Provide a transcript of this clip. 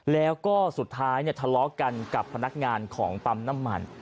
แล้วก็สุดท้ายทะเลาะกันกับพนักงานของปั๊มน้ำมัน